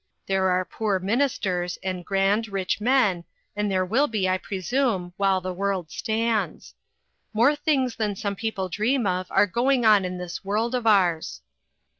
There are poor ministers and grand, rich men, and there will be, I presume, while the world stands. More things than some people dream of are going on in this world of ours.